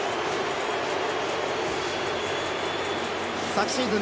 昨シーズン